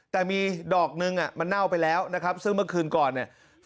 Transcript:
แต่มีดอกนึงมันเน่าไปแล้วนะครับซึ่งเมื่อคืนก่อนเนี่ย